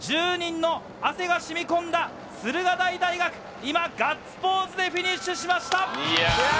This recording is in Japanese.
１０人の汗がしみこんだ駿河台大学、今、ガッツポーズでフィニッシュしました。